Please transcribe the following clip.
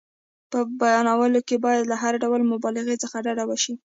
په بیانولو کې باید له هر ډول مبالغې څخه ډډه وشي.